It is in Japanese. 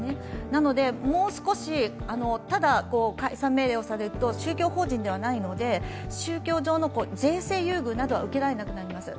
なのでもう少し、ただ解散命令をされると、宗教法人ではないので、宗教上の税制優遇は受けられなくなります